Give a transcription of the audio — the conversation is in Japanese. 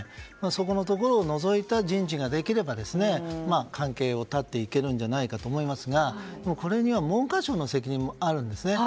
そこのところを除いた人事ができれば関係を絶っていけるんじゃないかと思いますがこれには文科省の責任もあるんですね。